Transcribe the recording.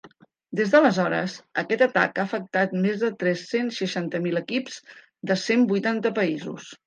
Des d’aleshores, aquest atac ha afectat més de tres-cents seixanta mil equips de cent vuitanta països.